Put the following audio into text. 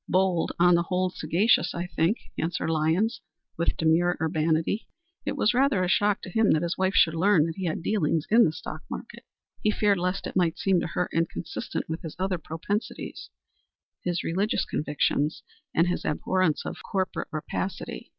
Bold, but on the whole sagacious, I think," answered Lyons, with demure urbanity. It was rather a shock to him that his wife should learn that he had dealings in the stock market. He feared lest it might seem to her inconsistent with his other propensities his religious convictions and his abhorrence of corporate rapacity.